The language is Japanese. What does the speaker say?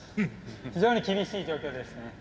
非常に厳しい状況ですね。